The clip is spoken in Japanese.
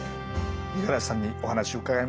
五十嵐さんにお話伺いました。